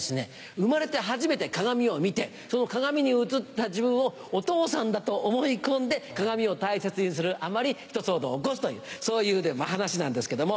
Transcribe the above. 生まれて初めて鏡を見てその鏡に映った自分をお父さんだと思い込んで鏡を大切にするあまりひと騒動起こすというそういう話なんですけども。